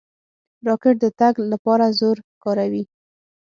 راکټ د تګ لپاره زور کاروي.